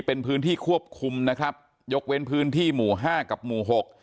เป็นพื้นที่ควบคุมนะครับยกเว้นพื้นที่หมู่ห้ากับหมู่หก